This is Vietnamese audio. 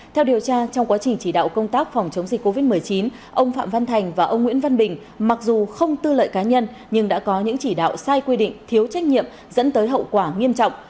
theo điều tra trong quá trình chỉ đạo công tác phòng chống dịch covid một mươi chín ông phạm văn thành và ông nguyễn văn bình mặc dù không tư lợi cá nhân nhưng đã có những chỉ đạo sai quy định thiếu trách nhiệm dẫn tới hậu quả nghiêm trọng